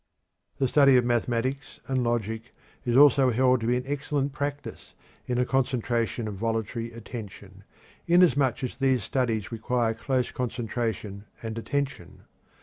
The study of mathematics and logic is also held to be an excellent practice in concentration of voluntary attention, inasmuch as these studies require close concentration and attention.